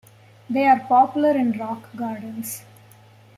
They are popular in rock gardens.